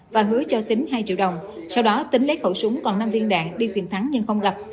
và hứa cho tính hai triệu đồng sau đó tính lấy khẩu súng còn năm viên đạn đi tìm thắng nhưng không gặp